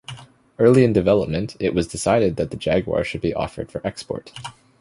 Early in development, it was decided that the Jaguar should be offered for export.